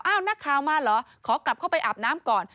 นักข่าวมาเหรอขอกลับเข้าไปอาบน้ำก่อน